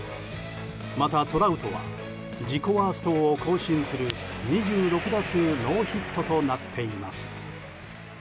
また、トラウトは自己ワーストを更新する２６打数ノーヒットとなっています。